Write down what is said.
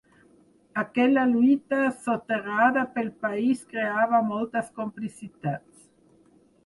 Aquella lluita soterrada pel país creava moltes complicitats.